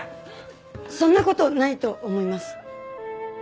そんな事ないと思います。